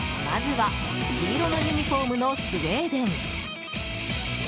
まずは、黄色のユニホームのスウェーデン。